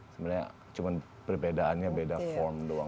sebenarnya cuma perbedaannya beda form doang